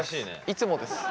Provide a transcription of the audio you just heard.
いつもです。